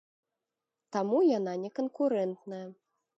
Таму яна не канкурэнтная.